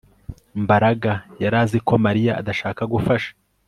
Mbaraga yari azi ko Mariya adashaka gufasha